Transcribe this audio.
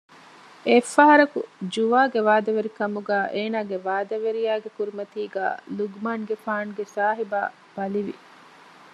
އެއްފަހަރަކު ޖުވާގެ ވާދަވެރިކަމުގައި އޭނާގެ ވާދަވެރިޔާގެ ކުރިމަތީގައި ލުޤުމާނުގެފާނުގެ ސާހިބާ ބަލިވި